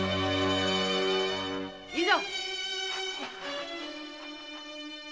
いざ！